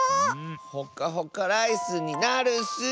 ほかほかライスになるッス。